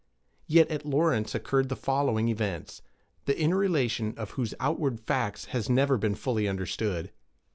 Yet at Lawrence occurred the following events, the inner relation of whose outward facts has never been fully understood.